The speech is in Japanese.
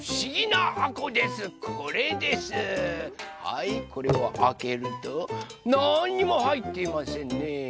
はいこれをあけるとなんにもはいっていませんね。